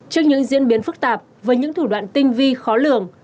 trước những diễn biến phức tạp với những thủ đoạn tinh vi khó lường